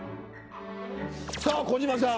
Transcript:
さあ児嶋さん。